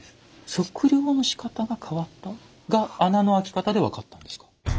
測量のしかたが変わった？が穴のあき方で分かったんですか？